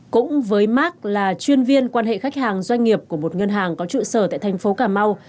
cũng với mark là chuyên viên quan hệ khách hàng doanh nghiệp của một ngân hàng có trụ sở tại thành phố cà mau